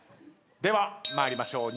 では参りましょう。